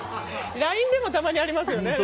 ＬＩＮＥでもたまにありますよね。